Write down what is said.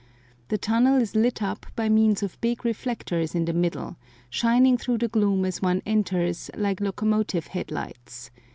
The tunnel is lit up by means of big reflectors in the middle, shining through the gloom as one enters, like locomotive headlights.